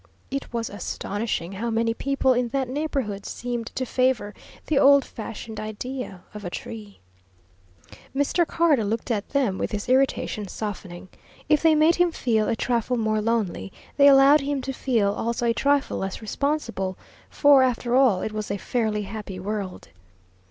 It was astonishing how many people in that neighbourhood seemed to favour the old fashioned idea of a tree. Mr. Carter looked at them with his irritation softening. If they made him feel a trifle more lonely, they allowed him to feel also a trifle less responsible for, after all, it was a fairly happy world.